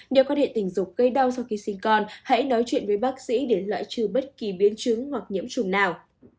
nếu quan hệ tình dục gây đau sau khi sinh con hãy nói chuyện với bác sĩ để loại trừ bất kỳ biến chứng hoặc nhiễm trùng nào